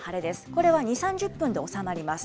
これは２、３０分で治まります。